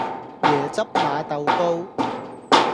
椰汁馬豆糕